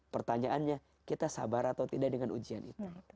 pertanyaannya kita sabar atau tidak dengan ujian itu